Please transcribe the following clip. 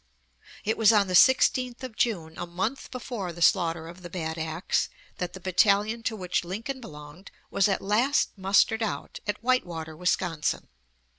[Illustration: BLACK HAWK] It was on the 16th of June, a month before the slaughter of the Bad Axe, that the battalion to which Lincoln belonged was at last mustered out, at Whitewater, Wisconsin.